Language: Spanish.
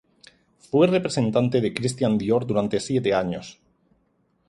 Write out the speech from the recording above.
Fue representante de Cristian Dior durante siete años.